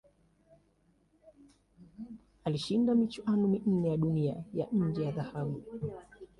Alishinda michuano minne ya Dunia ya nje ya dhahabu.